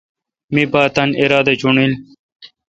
می پ تانی ارادا چݨیل۔